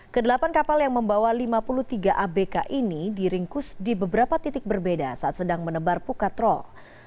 kedelapan kapal yang membawa lima puluh tiga abk ini diringkus di beberapa titik berbeda saat sedang menebar pukat roll